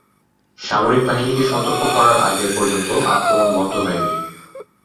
সামরিক বাহিনীকে সতর্ক করার আগে পর্যন্ত আক্রমণ বন্ধ হয়নি।